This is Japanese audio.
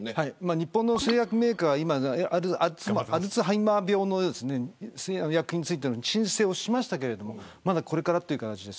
日本の製薬メーカーが今、アルツハイマー病の医薬品についての申請をしましたがこれからという形です。